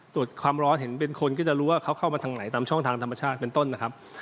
ตรวจความร้อนเห็นเป็นคนก็จะรู้ว่าเขาเข้ามาทางไหนตามช่องทางธรรมชาติเป็นต้นนะครับ